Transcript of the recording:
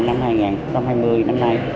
năm hai nghìn hai mươi năm nay